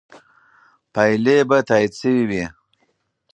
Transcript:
پایلې به تایید شوې وي.